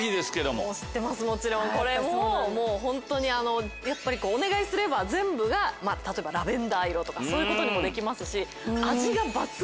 もちろんこれももうホントにお願いすれば全部が例えばラベンダー色とかそういうことにもできますし。